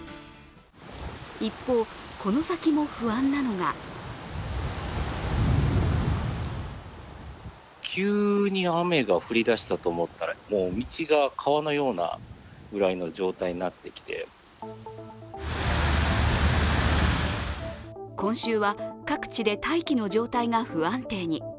一方、この先も不安なのが今週は各地で大気の状態が不安定に。